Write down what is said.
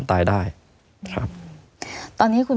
ไม่มีครับไม่มีครับ